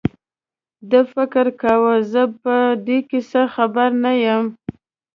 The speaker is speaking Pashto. ده فکر کاوه زه په دې کیسه هېڅ خبر نه یم.